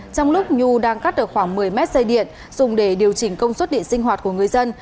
trong lúc nhu đang cắt được khoảng một mươi mét dây điện dùng để điều chỉnh công suất điện sinh hoạt của người dân